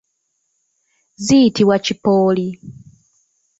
Ziyitibwa kipooli.